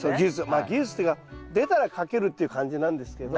まあ技術っていうか出たらかけるっていう感じなんですけど。